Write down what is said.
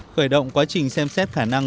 khởi động quá trình xem xét khả năng